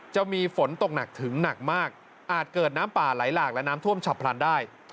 จะมีฝนตกหนักถึงหนักมากอาจเกิดน้ำป่าไหลหลากและน้ำท่วมฉับพลันได้